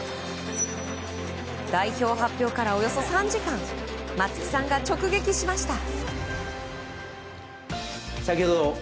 代表発表からおよそ３時間松木さんが直撃しました。